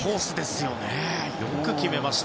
よく決めました。